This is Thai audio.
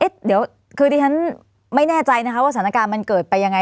เดี๋ยวคือดิฉันไม่แน่ใจนะคะว่าสถานการณ์มันเกิดไปยังไง